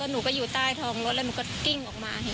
หนูก็อยู่ใต้ท้องรถแล้วหนูก็กิ้งออกมา